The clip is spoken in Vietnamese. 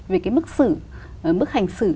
về cái mức hành xử